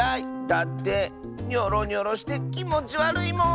だってニョロニョロしてきもちわるいもん！